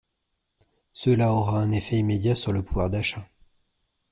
Cela aura un effet immédiat sur le pouvoir d’achat.